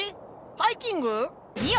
ハイキング⁉見よ！